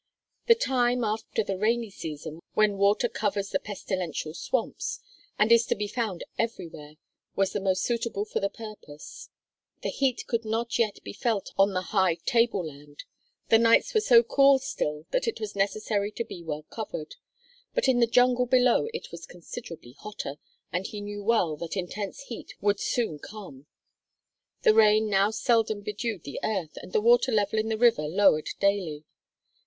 The time, after the rainy season, when water covers the pestilential swamps, and is to be found everywhere, was the most suitable for the purpose. The heat could not yet be felt on the high table land; the nights were so cool still that it was necessary to be well covered. But in the jungle below it was considerably hotter, and he knew well that intense heat would soon come. The rain now seldom bedewed the earth and the water level in the river lowered daily.